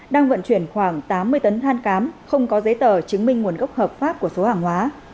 đang vận chuyển khoảng tám mươi tấn than cám không có giấy tờ chứng minh nguồn gốc hợp pháp của số hàng hóa